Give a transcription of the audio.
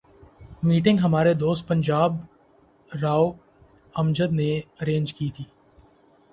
Meeting ہمارے دوست پنجاب راؤ امجد نے ارینج کی تھی۔